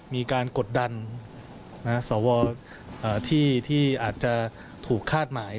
มีการกดดันสอวอที่อาจจะถูกคาดหมาย